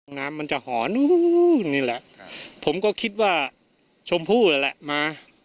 น้ำมันจะหอนู้นนี่แหละผมก็คิดว่าชมพู่นั่นแหละมา